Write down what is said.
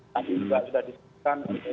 tadi juga sudah disampaikan